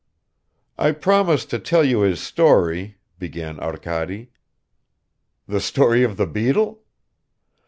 "I promised to tell you his story ..." began Arkady. "The story of the beetle?"